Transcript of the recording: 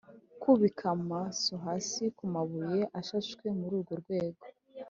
bubika amaso hasi ku mabuye ashashwe muru rwo rugo